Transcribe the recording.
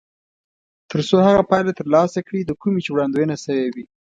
تر څو هغه پایله ترلاسه کړي د کومې چې وړاندوينه شوې وي.